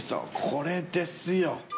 これですよ。